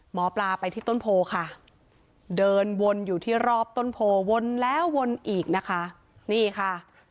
หมอปลาไปที่ต้นโพค่ะเดินวนอยู่ที่รอบต้นโพวนแล้ววนอีกนะคะนี่ค่ะ